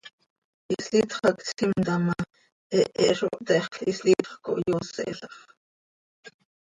Hislitx hac tsimta ma, hehe zo htexl, hislitx cohyooselax.